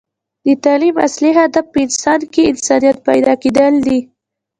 د تعلیم اصل هدف په انسان کې انسانیت پیدا کیدل دی